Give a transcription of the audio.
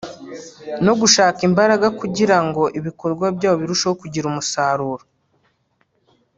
no gushaka imbaraga kugirango ibikorwa byabo birusheho kugira umusaruro